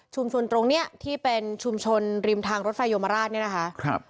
ตรงเนี้ยที่เป็นชุมชนริมทางรถไฟโยมราชเนี่ยนะคะครับ